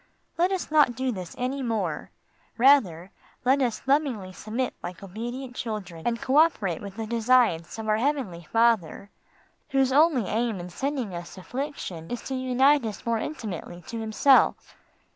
Let us not do this any more, rather let us lovingly submit like obedient children and co operate with the designs of our heavenly Father, whose only aim in sending us affliction is to unite us more intimately to Himself.